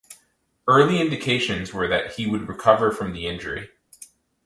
Early indications were that he would recover from the injury.